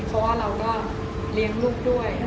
เพราะว่าเราก็เลี้ยงลูกด้วย